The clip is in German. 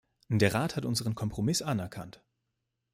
Der Rat hat unseren Kompromiss anerkannt.